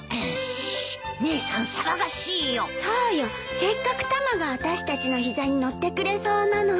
せっかくタマがあたしたちの膝に乗ってくれそうなのに。